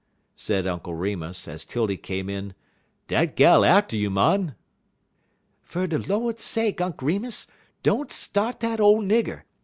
said Uncle Remus, as 'Tildy came in. "Dat gal atter you, mon!" "Fer de Lord sake, Unk' Remus, don't start dat ole nigger.